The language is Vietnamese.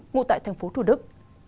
ngụ tại thành phố thủ đức